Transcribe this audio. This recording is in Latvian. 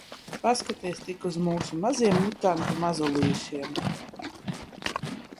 Paskaties tik uz mūsu maziem mutantu mazulīšiem!